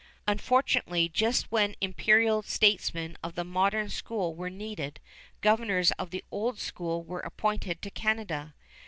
Unfortunately, just when imperial statesmen of the modern school were needed, governors of the old school were appointed to Canada.